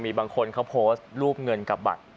มีบางคนเขาโพสต์รูปเงินกับบัตร